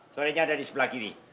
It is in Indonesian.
torenya ada di sebelah kiri